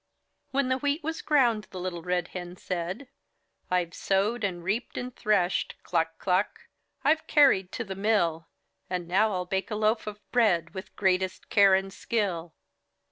When the wheat was ground, Little Red Hen said: — "I've sowed and reaped and threshed. Cluck, Cluck ! I've carried to the mill, And now I'll bake a loaf of bread, With greatest care and skill.